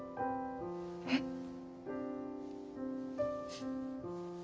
えっ？